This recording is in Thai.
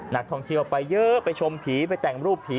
นักท่องเที่ยวไปเยอะไปชมผีไปแต่งรูปผี